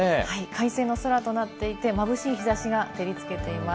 快晴の空となっていて、まぶしい日差しが照りつけています。